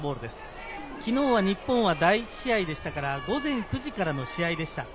昨日、日本は第１試合ですから、午前９時からの試合でした。